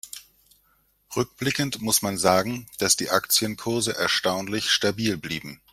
Rückblickend muss man sagen, dass die Aktienkurse erstaunlich stabil blieben.